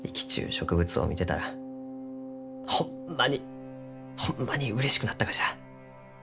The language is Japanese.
植物を見てたらホンマにホンマにうれしくなったがじゃ。